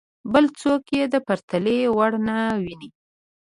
بل څوک یې د پرتلې وړ نه ویني.